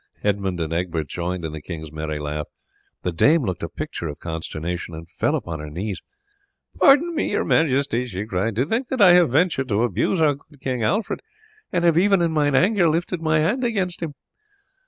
Edmund and Egbert joined in the king's merry laugh. The dame looked a picture of consternation and fell upon her knees. "Pardon me, your majesty," she cried; "to think that I have ventured to abuse our good King Alfred, and have even in mine anger lifted my hand against him!"